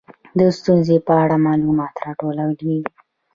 د ستونزې په اړه معلومات راټولیږي.